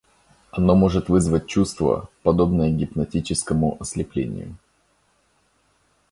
Оно может вызвать чувство, подобное гипнотическому ослеплению.